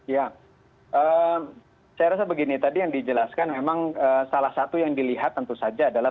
ya saya rasa begini tadi yang dijelaskan memang salah satu yang dilihat tentu saja adalah